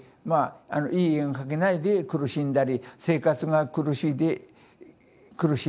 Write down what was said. まあいい絵が描けないで苦しんだり生活が苦しいで苦しんだり。